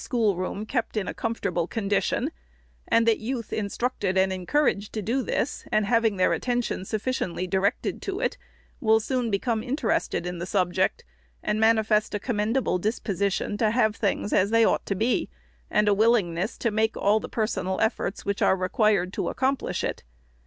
481 schoolroom kept in a comfortable condition, and that youth instructed and encouraged to do this, and having their attention sufficiently directed to it, will soon become interested in the subject, and manifest a commendable disposition to have things as they ought to be, and a will ingness to make all the personal efforts which are required to accomplish it.